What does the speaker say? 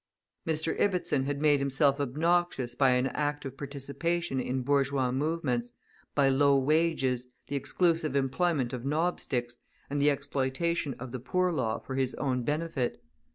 Mr. Ibbetson had made himself obnoxious by an active participation in bourgeois movements, by low wages, the exclusive employment of knobsticks, and the exploitation of the Poor Law for his own benefit.